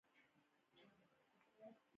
بنده د سمو اصولو له مخې هڅه وکړي.